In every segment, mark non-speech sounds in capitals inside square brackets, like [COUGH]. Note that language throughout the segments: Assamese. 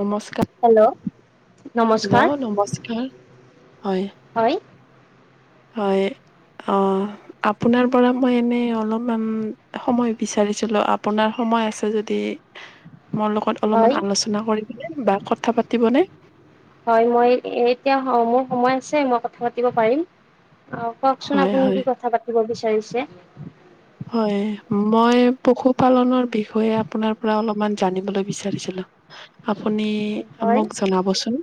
নমস্কাৰ হেল্ল'। নমস্কাৰ হেল্ল', নমস্কাৰ, হয়। হয়। হয়, অ'। আপোনাৰ পৰা মই এনেই অলপমান সময় বিচাৰিছিলোঁ, আপোনাৰ সময় আছে যদি। মোৰ লগত হয়। অলপমান আলোচনা কৰিবনে বা কথা পাতিবনে? হয়, মই এতিয়া, মোৰ সময় আছে মই কথা পাতিব পাৰিম। কওকচোন হয়, আপুনি হয়, কি কথা পাতিব বিচাৰিছে। হয়, মই পশুপালনৰ বিষয়ে আপোনাৰ পৰা অলপমান জানিবলৈ বিচাৰিছিলোঁ। আপুনি হয়। মোক জনাবচোন।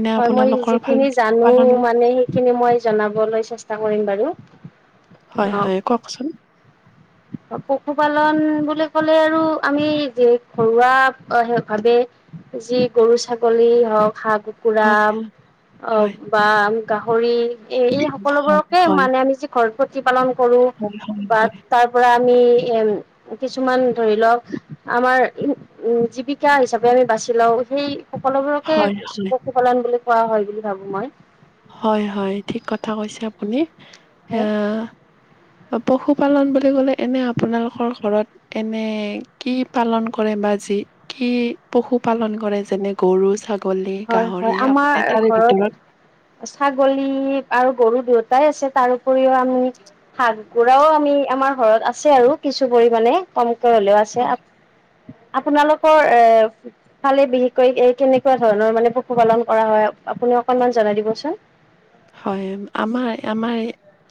এনে হয় আপোনালোকৰ ফালি [UNINTELLIGIBLE] সেই খিনি মই জনাবলৈ চেষ্টা কৰিম বাৰু। হয় অ হয়, কওকচোন। পশুপালন বুলি কলে আৰু আমি যি ঘৰুৱা ভাবে যি গৰু ছাগলী হওঁক, হাহ কুকু হয়, কুকুৰাম অ', হয়, বা গাহৰি এই-এই হয়, সকলোবোৰকে হয়, মানে আমি ঘৰ প্ৰতিপালন কৰো হয়, হয়, বা হয়, তাৰ পৰা আমি এম কিছুমান ধৰি লওক আমাৰ উ, জীৱিকা হিচাপে আমি বাচি লও সেই সকলোবোৰকে হয়, হয়। পশুপালন বুলি কোৱা হয় বুলি ভাবো মই। হয় হয় ঠিক কথা কৈছে আপুনি। এ হয় পশুপালন বুলি ক'লে এনে আপোনালোকৰ ঘৰত এনে কি পালন কৰে বা যি, কি পশু পালন কৰে যেনে গৰু ছাগ গলী, হয় হয় গাহৰি আমাৰ আপুনি তাৰে ঘৰত ভিতৰত ছাগলী আৰু গৰু দুয়োটাই আছে, তাৰ উপৰিও আমি হাঁহ, কুকুৰাও আমি আমাৰ ঘৰত আছে আৰু কিছু পৰিমাণে কমকে হলেও আছ হয় [UNINTELLIGIBLE] আপোনালোকৰ এ ফালে বিশেষকৈ এই কেনেকুৱা ধৰণৰ মানে পশুপালন কৰা হয়। আপুনি অকনমান জনাই দিবছোন। হয়, আমাৰ আমাৰ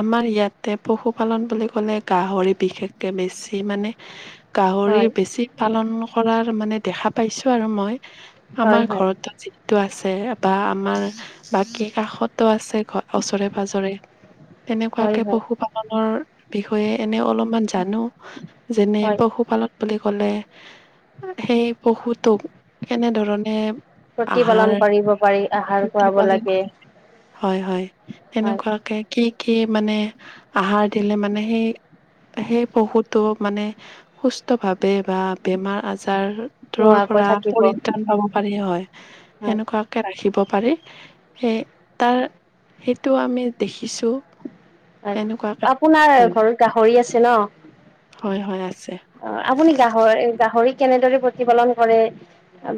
আমাৰ ইয়াতে পশুপালন বুলি কলে গাহৰি বিশেষকে বেছি মানে গাহৰি হয় বেছি পালন কৰাৰ মানে দেখা পাইছোঁ আৰু মই। হয় আমাৰ হয় ঘৰতো যিটো আছে বা আমাৰ বাকী কাষতো আছে ওচৰে পাজৰে, হয় তেনেকুৱাকে হয় পশুপালনৰ বিষয়ে এনে অলপ মান জানোঁ, যেনে হয় পশুপালন বুলি কলে সেই পশুটোক কেনেধৰণে আহাৰ প্ৰতিপালন কৰিব পাৰি, আহাৰ খুৱাব প্ৰতিপালন লাগে কৰা হয় হয়, হয় তেনেকুৱাকে কি কি মানে আহাৰ দিলে মানে সেই সেই পশুতো মানে সুস্থ ভাৱে বা বেমাৰ আজা জাৰৰ নোহোৱাকৈ পৰা থাকিব পৰিত্ৰাণ পাব পাৰি হয়। হয় সেনেকুৱা ৰাখিব পাৰি সে, তাৰ সেইটো আমি দেখিছো হয়, এনেকুৱাকে আপোনাৰ হয় ঘৰত গাহৰি আছে ন? হয় হয়, আছে। অ', আপুনি গাহৰি-গাহৰি কেনেদৰে প্ৰতিপালন কৰে?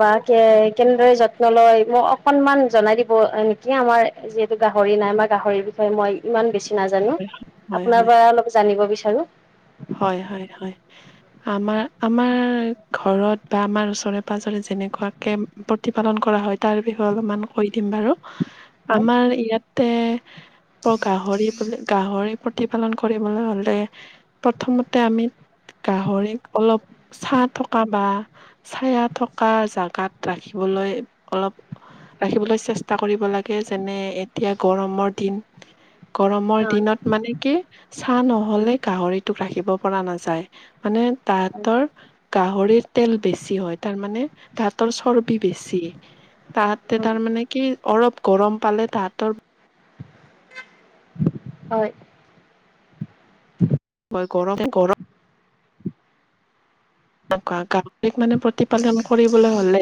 বা কে-কেনেদৰে যত্ন লয়, মোক অকনমান জনাই দিব নেকি আমাৰ যিহেতু গাহৰি নাই মই গাহৰিৰ বিষয়ে মই ইমান বেছি নাজানোঁ। হয়, হয়, আপোনাৰ পৰা জানিব বিচাৰোঁ। হয় হয় হয়। আমাৰ আমাৰ ঘৰত বা আমাৰ ওচৰে পাজৰে যেনেকুৱা কে প্ৰতিপালন কৰা হয় তাৰ বিষয়ে অলপমান কৈ দিম বাৰু। [UNINTELLIGIBLE] আমাৰ ইয়াত তে গাহৰি বুলি গাহৰি প্ৰতিপালন কৰিবলৈ হ'লে প্ৰথমতে আমি গাহৰিক অলপ ছাঁ থকা বা চাইয়া থকা জাগাত ৰাখিবলৈ অলপ ৰাখিবলৈ চেষ্টা কৰিব লাগে। যেনে এতিয়া গৰমৰ দিন। গৰমৰ হয় দিনত মানে কি চাহ নহ'লে গাহৰি তোক ৰাখিব পৰা নাযায়। মানে হয় তাহঁতৰ গাহৰিৰ তেল বেছি হয়। তাৰমানে তাহাঁতৰ চৰ্বি বেছি। তাহাঁতে উম তাৰ মানে কি অলপ গৰম তাহাঁতৰ হয়। [INAUDIBLE] হয় গৰম গৰ গাহৰিক মানে প্ৰতিপালন কৰিবলৈ হ'লে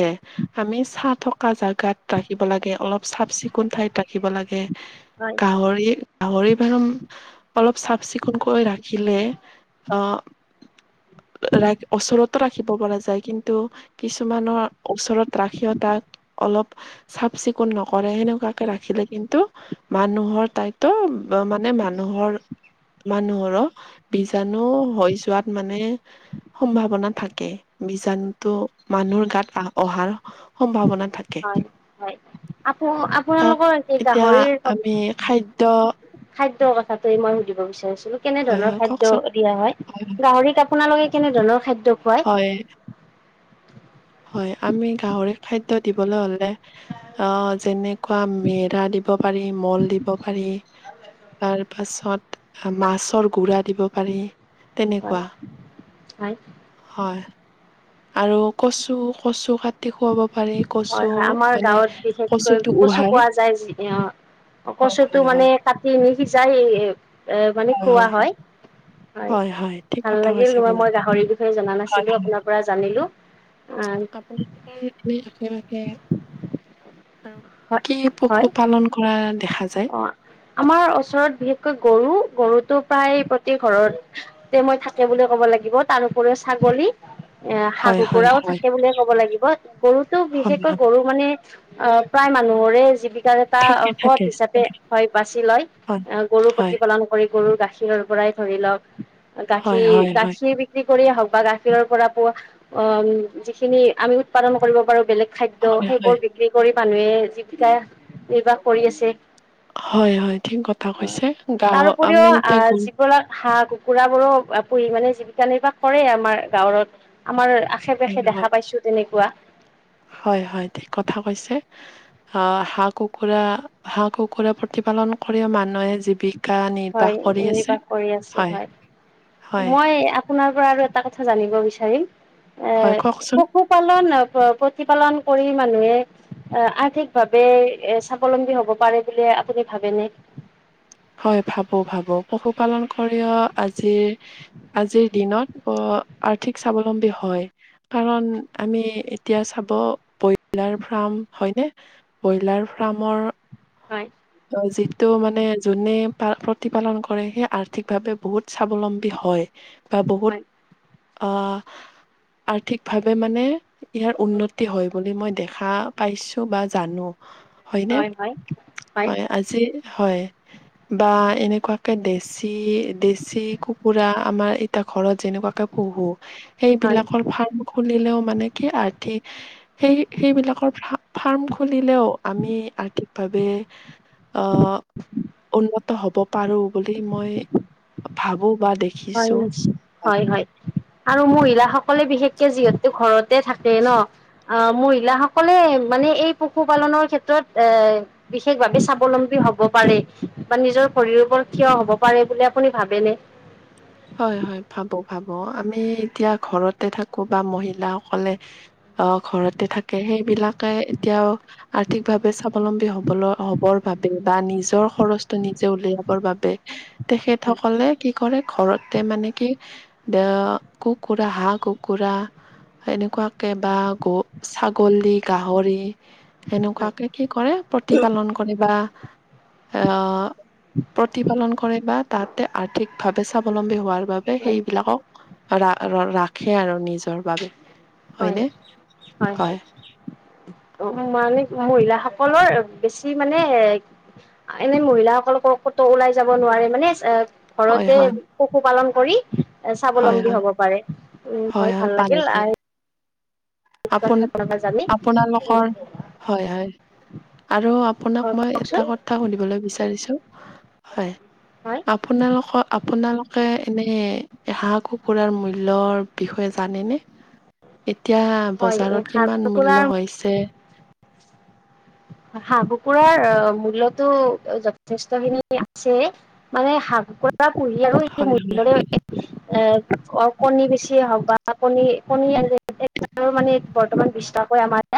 আমি ছাঁ থকা জাগাত ৰাখিব লাগে, অলপ চাফ-চিকুন ঠাইত ৰাখিব লাগে। গে হয় গাহৰি গাহৰি ফাৰ্ম অলপ চাফ চিকুণকৈ ৰাখিলে অ'। ৰা ওচৰতো ৰাখিব পৰা যায় কিন্তু কিছুমানৰ ওচৰত ৰাখিও তাক অলপ চাফ-চিকুন নকৰে হেনেকুৱাকে ৰাখিলে কিন্তু মানুহৰ তাইতো মানে মানুহৰ মানুহৰো বিজাণু হৈ যোৱাত মানে সম্ভাৱনা থাকে। বীজাণুটো মানুহৰ গাত আ অহাৰ সম্ভাৱনা থাকে। হয় হয় আপ তাক আপোনালোকৰ এতিয়া গাহৰিৰ আমি কথা খাদ্য খাদ্যৰ কথাটো মই সুধিব বিচাৰিছিলোঁ। কেনে হয় ধৰণৰ হয় খাদ্য কওকচোন দিয়া হয়। গাহৰি আপু আপোনালোকে কেনেধৰণৰ খাদ্য খোৱাই। হয়। হয়। আমি গাহৰিক খাদ্য দিবলৈ হলে অ' যেনে খোৱাম মেৰা দিব পাৰি, মল দিব পাৰি, তাৰ পাছত মাছৰ গুড়া দিব পাৰি হয় তেনেকুৱা। হয় হয় আৰু কচু কচু কাটি খুৱাব পাৰি। হয় কচু হয়। আমাৰ মানে গাঁৱত বিশেষকৈ কচুটো কচু উহাই পোৱা যায় অ'। হয়, কচুটো হয়, হয়, মানে হয়, কাটি নি সিজাই এ মানে খোওৱা হয়। হয়, হয়, ঠিক ভাল কথা লাগিল। কৈছে আপুনি। মই গাহৰিৰ বিষয়ে জনা নাছিলো আপোনাৰ পৰা জানিলোঁ। হয় আপুনি এনেই আশে পাশে আৰু কি হয় পশুপালন কৰা দেখা যায়। অ আমাৰ ওচৰত বিশেষকৈ গৰু, গৰুতটো প্ৰায় প্ৰতি ঘৰত মই থাকে বুলি ক'ব লাগিব তাৰ উপৰিও ছাগলী। এ হাঁহ হয়, হয়, কুকুৰাও হয়, থাকে বুলিয়ে ক'ব লাগিব গৰুতো হয়, বিশেষকৈ হয়, গৰু মানে প্ৰায় মানুহৰে জীৱিকা থাকে থাকে। এ থাকে, হয় বাচি লয় হয়, আহ গৰু হয়, প্ৰতিপালন কৰি গৰুৰ গাখীৰ পৰাই ধৰি লওক, হয়, গাখীৰ হয়, হয়, গাখীৰ বি যি কৰিয়ে হওক বা গাখীৰৰ পৰা পোৱা অ যিখিনি আমি উৎপাদন কৰিব পাৰো বেলেগ, খাদ্য হয়, হয়। সেইবোৰ বিক্ৰী কৰি মানুহে যিবিকা নিৰ্বাহ কৰি আছে। হয়, হয় ঠিক কথা কৈছে। গাওঁ আমি এতিয়া গ পৰা হাঁহ কু। কুৰা বোৰো পুহি মানে জীৱিকা নিৰ্বাহ কৰে আমাৰ গাঁৱত। আমাৰ হয়, চবকে হয়, দেখা পাইছোঁ তেনেকুৱা। হয়, হয় ঠিক কথা কৈছে। আহ হাঁহ কুকুৰা হাঁহ কুকুৰা প্ৰতিপালন কৰি মানুহে জী। জীবিকা হয় নিৰ্বাহ কৰি আছে, নিৰ্বাহ কৰি আছে হয়। হয়, মই আপোনাৰ পৰা আৰু এটা কথা জানিব বিচাৰিম এ হয়, কওকচোন। পশু, পালন আ প্ৰ প্ৰতিপালন কৰি মানুহে, আ আৰ্থিক ভাৱে এ স্বাৱলম্বী হ'ব পাৰে বুলি আপুনি ভাবেনে? হয়, ভাবো ভাবো। পশুপালন কৰিও আজিৰ আজিৰ দিনত আৰ্থিক স্বাৱলম্বী হয়। কাৰণ আমি এতিয়া চাব, ব্ৰইলাৰ ফাৰ্ম হয়নে? ব্ৰইলাৰ ফাৰ্মৰ হয়। যিটো মানে যোনে পা প্ৰতিপালন কৰে, সেই আৰ্থিকভাৱে বহুত স্বাৱলম্বী হয়। বা বহুত হয় আহ আৰ্থিকভাৱে মানে, ইয়াৰ উন্নতি হয় বুলি মই দেখা পাইছো বা জানো। হয়নে? হয়, হয়। হয়, আজি হয়। বা এনেকুৱাকে দেছী দেছী কুকুৰা আমাৰ এই এতিয়া ঘৰত যেনেকুৱাকে পোহো, হয় সেইবিলাকৰ ফাৰ্ম খুলিলেও মানে কি আৰ্থিক, সেই সেইবিলাকৰ ফা ফাৰ্ম খুলিলেও আমি আৰ্থিকভাৱে, আহ উন্নত হব পাৰো বুলি মই ভাবো বা দে হয়, নিশ্চয়। হয়, হয় আৰু মহিলাাসকলে বিশেষকে যিহেতু ঘৰতে থাকে ন। আহ মহিলাসকলে মানে এই পশুপালনৰ ক্ষেত্ৰত এ বিশেষ ভাৱে স্বাৱলম্বী হব পাৰে বা নিজৰ ভৰিৰ ওপৰত থিয় হব পাৰে বুলি আপুনি ভাবেনে? হয়, হয় ভাবো ভাবো। আমি এতিয়া ঘৰতে থাকো বা মহিলাাসকলে অ' ঘৰতে থাকে, সেইবিলাকে এতিয়াও আৰ্থিকভাৱে স্বাৱলম্বী হবলৈ হব। ৰ বাবে বা নিজৰ খৰচটো নিজে উলিয়াবৰ বাবে তেখেত সকলে কি কৰে, ঘৰতে মানে কি এ কুকুৰা হাঁহ কুকুৰা, এনেকুৱাকে বা গ ছাগলী গাহৰি, হয় এনেকুৱাকে কি কৰে প্ৰতিপালন কৰে বা, আ প্ৰতিপালন কৰে বা, তাতে আৰ্থিকভাৱে স্বাৱলম্বী হোৱাৰ বাবে সেইবিলাকক, ৰা ৰাখে আৰু নিজৰ বাবে হয়নে? হয়। অ' মানে মহিলাসকলৰ বেছি মানে এ এনে মহিলাসকল কতো ওলাই যাব নোৱাৰে মানে এ হয় ঘৰতে হয় পশু পালন কৰি, হয় স্বাৱলম্বী হয় হ'ব পাৰে। উম' হয়, ভাল লাগিল। কথা জানি হয় আপোন-আপোনালোকৰ, হয়-হয়। আৰু আপোনাক মই কওকচোন এটা কথা সুধিবলৈ বিচাৰিছো, হয়। হয় আপোনালোকৰ, আপোনালোকে এনেই হাঁহ-কুকুৰাৰ মূল্যৰ- বিষয়ে জানে নে? এতিয়া হয় এই বজাৰত হাঁহ কিমান কুকুৰাৰ মূল্য হৈছে? [UNINTELLIGIBLE] হাঁহ-কুকুৰাৰ মূল্যতো যথেষ্টখিনি আছেই। মানে হাঁহ-কুকুৰা পুহি আৰু এই হয় হয় [UNINTELLIGIBLE] - কণী বেচিয়ে হওঁক বা কণী-কণী মানে বৰ্তমান বিশটাকৈ আমাৰ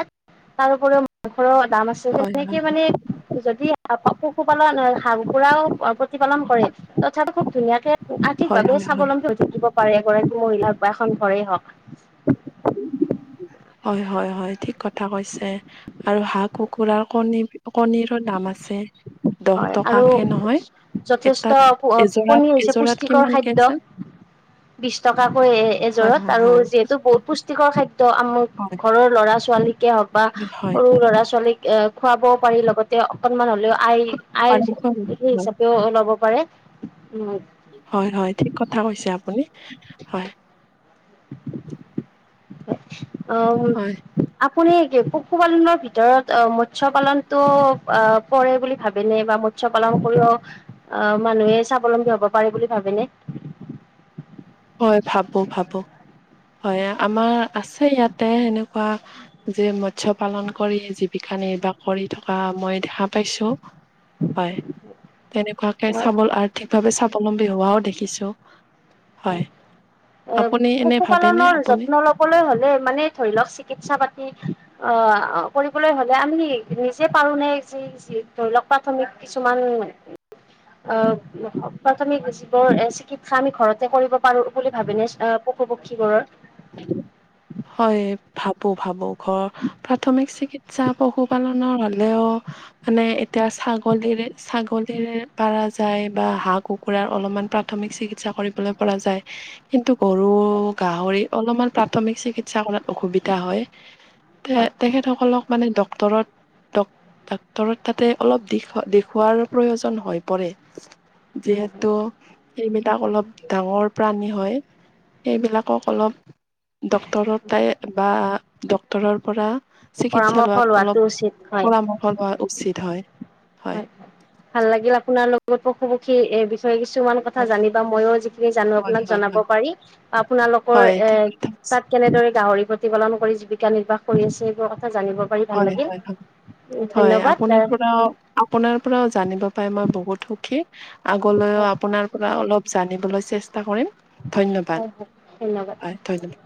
তাৰপৰিও মাংসৰৰ দাম আছে হয় হয় হয় তেনেকে মানে- যদি পশুপালন হাঁহ-কুকুৰাও প্ৰতিপালন কৰে তথাপি খুব ধুনীয়াকে- হয় আৰ্থিকভাৱে হয় হয় স্বাৱলম্বী হৈ থাকিব এগৰাকী মহিলা হওঁক বা এখন ঘৰে হওঁক। হয়-হয়-হয় ঠিক কথা কৈছে। আৰু হাঁহ-কুকুৰাৰ কণী-কণীৰো দাম আছে। দহ হয়, আৰু টকাকে নহয় এটাত যথেষ্ট এযোৰাত কণী হৈছে এযোৰাত পুষ্টিকৰ কিমানকে খাদ্য। আছে বিশ টকাকৈ হয় এযোৰত, হয় আৰু হয় যিহেতু বহুত হয় পুষ্টিকৰ খাদ্য- আমুক ঘৰৰ ল'ৰা-ছোৱালীকে হওঁক বা হয় সৰু ল'ৰা-ছোৱালীক- খুৱাবও পাৰি লগতে অকণমান হ'লেও আয়- আয়ৰ সেই হয় হিচাপেও ল'ব পাৰে, উমঁ। হয়-হয়, ঠিক কথা কৈছে আপুনি, হয়। অ'। হয় আপুনি পশুপালনৰ ভিতৰত মৎস্য পালনটো আ' পৰে বুলি ভাবে নে বা- মৎস্য পালন কৰিও আঁহ' মানুহে স্বাৱলম্বী হ'ব পাৰে বুলি ভাবে নে? হয়, ভাবো-ভাবো। হয়, আমাৰ আছে ইয়াতে তেনেকুৱা যে মৎস্য পালন কৰি জী - ৱিকা নিৰ্বাহ কৰি থকা মই দেখা- পাইছোঁ। হয়, তেনেকুৱাকে স্বাৱল, আৰ্থিকভাৱে স্বাৱ - লম্বী হোৱাও দেখিছো। হয়, এ আপুনি এনেই ভাবি পশুপালনৰ যত্ন ল'বলৈ হ'লে মানে ধৰি লওঁক চিকিৎসা পাতি আঁহ' কৰিবলৈ হ'লে আমি নিজে পাৰো নে যি- ধৰি লওঁক প্ৰাথমিক কিছুমান- আঁহ' প্ৰাথমিক যিবোৰ চিকিৎসা আমি ঘৰতে কৰিব পাৰো বুলি ভাবি নে- পশু পক্ষীবোৰৰ? হয়, ভাবো-ভাবো। ঘৰ প্ৰাথমিক চিকিৎ - সা পশু পালনৰ হ'লেও- মানে এতিয়া ছাগলীৰ-ছাগলীৰ পাৰা যায় বা হাঁহ কু- কুৰাৰ অলপমান প্ৰাথমিক চিকিৎসা কৰিবলৈ পৰা যায়। কিন্তু গৰু, গাহৰিৰ অলপমান প্ৰাথমিক চিকিৎসা কৰাত অসুবিধা হয়। হয় তেখেতসকলক মানে ডক্টৰত-ডাক্টৰত- তা'তে অলপ দেখুৱাৰ প্ৰয়োজন হৈ পৰে। হয় হয় যিহেতু- সেইবিলাক অলপ ডাঙৰ প্ৰাণী হয়। সেইবিলাকক অলপ- ডক্তৰৰ তাই বা ডক্তৰৰ পৰা- চিকিৎসা পৰামৰ্শ লোৱাত লোৱাটো অলপ উচিত হয় পৰামৰ্শ লোৱা উচিত হয়। হয়, ভাল লাগিল আপোনাৰ লগত পশু পক্ষীৰ এই বিষয়ে কিছুমান- কথা হয় জানি বা মইও যিখিনি জানো হয় আপোনাক হয় জনাব হয় পাৰি। আপোনালোকৰ হয় ঠিক এ' কথা কৈছে তা'ত কেনেদৰে গাহৰি প্ৰতিপালন কৰি জীৱিকা নিৰ্বাহ কৰি আছে এইবোৰ কথা জানিব। পাৰি ভাল হয়, লাগিল। হয়, হয়, হয়, ধন্যবাদ আপোনাৰ হয় পৰাও আপোনাৰ পৰাও জানিব পাই মই বহুত সুখী আগলৈও আপোনাৰ পৰা অলপ জানিবলৈ চেষ্টা কৰিম হয় ধন্যবাদ ধন্যবাদ। হয়, ধন্যবাদ।